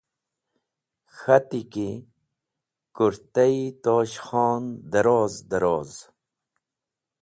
K̃hati ki: Kũrta –e Tosh Khon daroz daroz